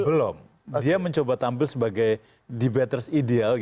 belum dia mencoba tampil sebagai debaters ideal